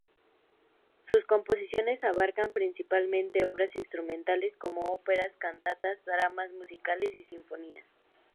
Sus composiciones abarcan principalmente obras instrumentales como óperas, cantatas, dramas musicales y sinfonías.